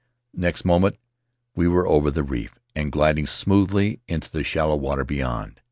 Next moment we were over the reef and gliding smoothly into the shallow water beyond.